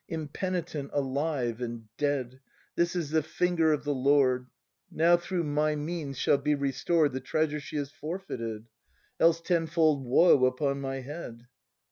] Impenitent alive, — and dead! This is the finger of the Lord ! Now through my means shall be restored The treasure she has forfeited; Else tenfold woe upon my head!